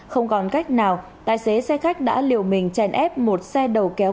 không còn cách nào tài xế xe khách đã liều mình chèn ép một xe đầu kéo